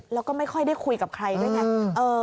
แล้วก็ไม่ค่อยได้คุยกับใครด้วยไง